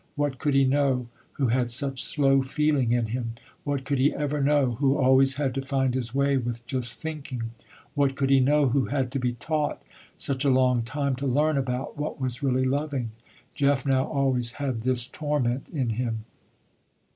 What could he know, who had such slow feeling in him? What could he ever know, who always had to find his way with just thinking. What could he know, who had to be taught such a long time to learn about what was really loving? Jeff now always had this torment in him.